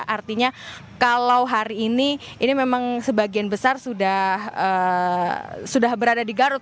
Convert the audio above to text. artinya kalau hari ini ini memang sebagian besar sudah berada di garut